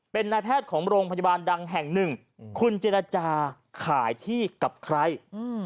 เป็นนายแพทย์ของโรงพยาบาลดังแห่งหนึ่งคุณเจรจาขายที่กับใครอืม